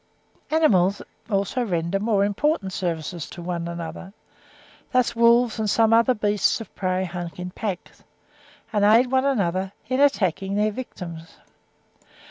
Animals also render more important services to one another: thus wolves and some other beasts of prey hunt in packs, and aid one another in attacking their victims.